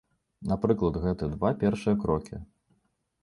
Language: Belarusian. Напрыклад, гэты два першыя крокі.